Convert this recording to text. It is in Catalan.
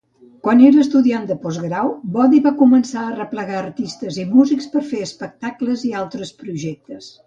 Quan era estudiant de postgrau, Body va començar a arreplegar artistes i músics per fer espectacles i altres projectes.